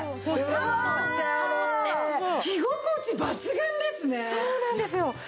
そうなんですよ。